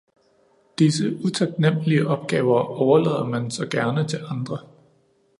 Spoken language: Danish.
Disse utaknemmelige opgaver overlader man så gerne til andre.